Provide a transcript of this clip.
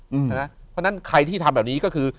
เพราะฉะนั้นใครที่ทำแบบนี้ก็คือ